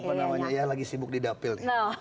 apa namanya ya lagi sibuk didapil